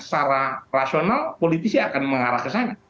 secara rasional politisi akan mengarah ke sana